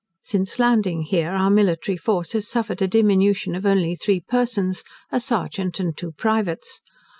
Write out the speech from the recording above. Since landing here our military force has suffered a diminution of only three persons, a serjeant and two privates.